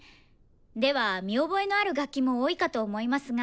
では見覚えのある楽器も多いかと思いますが